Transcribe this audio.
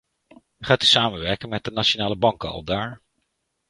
Gaat u samenwerken met de nationale banken aldaar?